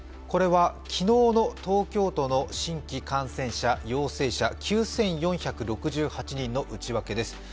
これは昨日の東京都の新規感染者、陽性者、９４６８人の内訳です。